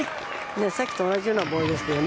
さっきと同じようなボールですけどね。